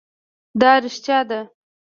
دا رښتیا ده.